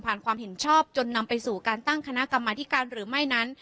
ความเห็นชอบจนนำไปสู่การตั้งคณะกรรมธิการหรือไม่นั้น